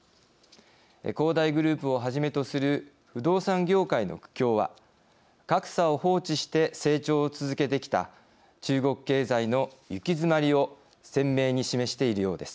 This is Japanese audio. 恒大グループをはじめとする不動産業界の苦境は格差を放置して成長を続けてきた中国経済の行き詰まりを鮮明に示しているようです。